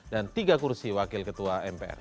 dan tiga kursi wakil ketua mpr